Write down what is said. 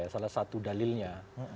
salah satu dalilnya